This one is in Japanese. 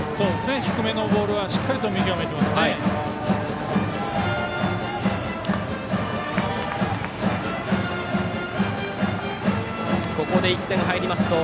低めのボールはしっかりと見極めてますね。